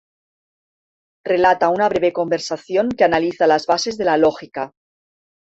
Relata una breve conversación que analiza las bases de la lógica.